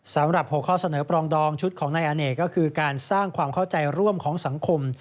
สำหรับ๖ข้อเสนอปรองดองชุดของนายอเนกก็คือการสร้างความเข้าใจร่วมของสังคม